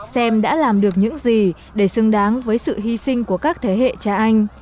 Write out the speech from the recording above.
xem đã làm được những gì để xứng đáng với sự hy sinh của các thế hệ cha anh